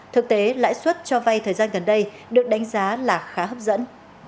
thực tế lãi suất cho vay thời gian gần đây được đánh giá là khá hấp dẫn